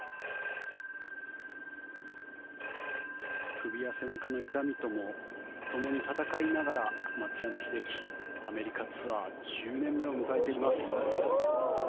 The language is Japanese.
首や背中の痛みともともに戦いながら松山英樹アメリカツアー１０年目を迎えています。